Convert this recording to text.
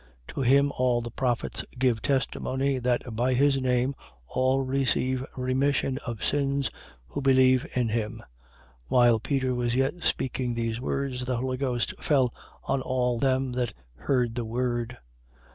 10:43. To him all the prophets give testimony, that by his name all receive remission of sins, who believe in him. 10:44. While Peter was yet speaking these words, the Holy Ghost fell on all them that heard the word.